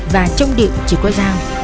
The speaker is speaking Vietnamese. và trong địa chỉ có dao